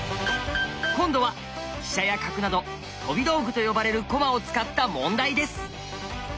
今度は飛車や角など「飛び道具」と呼ばれる駒を使った問題です。